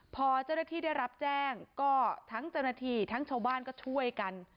พอเจ้าหน้าที่ได้รับแจ้งก็ทั้งเจ้าหน้าที่ทั้งชาวบ้านก็ช่วยกัน